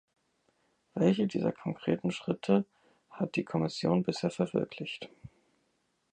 Welche dieser konkreten Schritte hat die Kommission bisher verwirklicht?